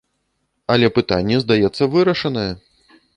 Але пытанне, здаецца, вырашанае.